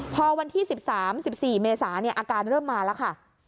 พอวันที่๑๓๑๔เมษาอาการเริ่มมาแล้วค่ะ